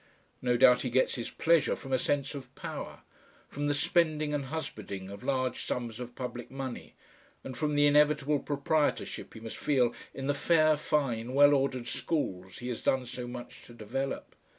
No doubt he gets his pleasure from a sense of power, from the spending and husbanding of large sums of public money, and from the inevitable proprietorship he must feel in the fair, fine, well ordered schools he has done so much to develop.